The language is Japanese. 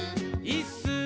いっすー！」